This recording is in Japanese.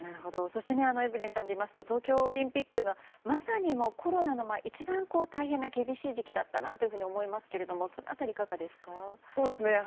そしてエブリンさんでいいますと東京オリンピックでまさに、コロナで一番大変な厳しい時期だったなと思いますけどその辺り、いかがですか？